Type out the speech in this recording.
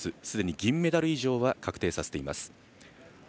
すでに銀メダル以上は確定させています。